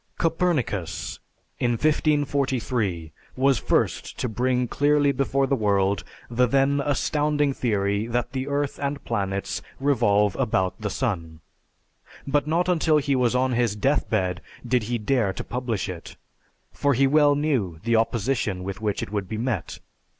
Copernicus, in 1543, was first to bring clearly before the world the then astounding theory that the earth and planets revolve about the sun. But not until he was on his deathbed did he dare to publish it, for he well knew the opposition with which it would be met.